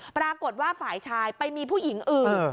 ปรากฏว่าฝ่ายชายไปมีผู้หญิงอื่น